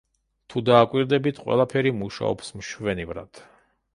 თუ დააკვირდებით, ყველაფერი მუშაობს მშვენივრად.